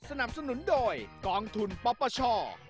สนับสนุนโดยกองทุนป๊อปป้าช่อ